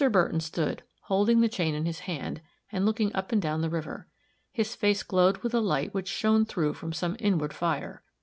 Burton stood, holding the chain in his hand, and looking up and down the river. His face glowed with a light which shone through from some inward fire.